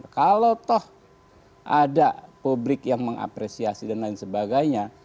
kalau toh ada publik yang mengapresiasi dan lain sebagainya